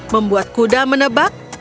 membuat kuda menebak